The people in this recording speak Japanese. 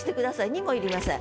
「に」も要りません。